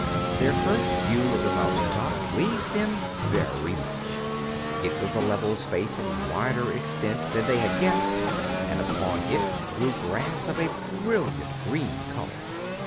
Their first view of the mountain top pleased them very much. It was a level space of wider extent than they had guessed and upon it grew grass of a brilliant green color.